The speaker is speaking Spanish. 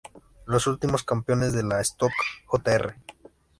Los últimos campeones de la Stock Jr.